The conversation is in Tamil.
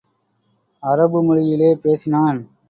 அரபு மொழியிலே பேசினான்.